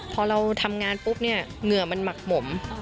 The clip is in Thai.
พอเราทำงานปุ๊บเนี่ยเหงื่อมันหมักหมม